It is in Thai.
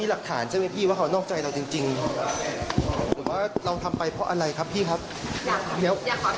อยากขอโทษครอบครัวของฝั่งภรรยาไม่ดี